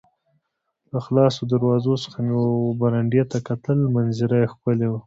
له خلاصو دروازو څخه مې وه برنډې ته کتل، منظره یې ښکلې وه.